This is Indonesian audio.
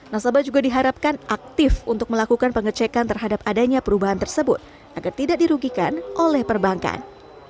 nasabah juga diharapkan aktif untuk melakukan pengecekan terhadap adanya perubahan tersebut agar tidak dirugikan oleh perbankan